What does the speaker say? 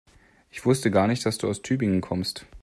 Ich wusste gar nicht, dass du aus Tübingen kommst